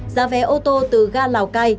giá vé ô tô từ ga lào cai